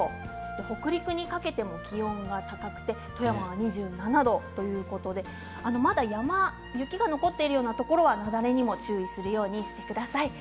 北陸にかけても気温が高くて富山は２７度ということでまだ雪が残っているようなところは雪崩にも注意するようにしてください。